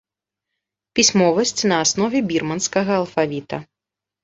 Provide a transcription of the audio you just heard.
Пісьмовасць на аснове бірманскага алфавіта.